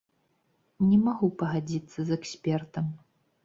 Не магу пагадзіцца з экспертам.